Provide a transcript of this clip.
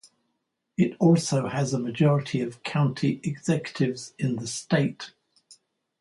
It also has a majority of County Executives in the State.